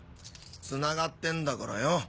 つながってんだからよ。